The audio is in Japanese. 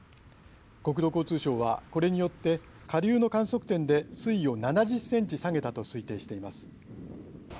国土交通省はこれによって下流の観測点で水位を７０センチ下げたと推定しています。